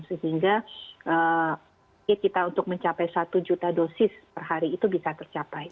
sehingga kita untuk mencapai satu juta dosis per hari itu bisa tercapai